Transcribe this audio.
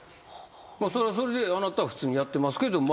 それはそれであなたは普通にやってますけど。